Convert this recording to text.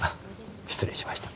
失礼しました。